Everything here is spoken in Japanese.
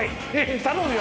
頼むよ。